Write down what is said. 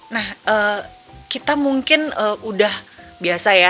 nah kita mungkin udah biasa ya